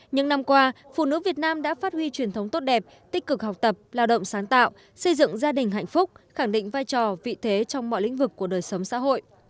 những năm qua phụ nữ việt nam đã phát huy truyền thống tốt đẹp tích cực học tập lao động sáng tạo xây dựng gia đình hạnh phúc khẳng định vai trò vị thế trong mọi lĩnh vực của đời sống xã hội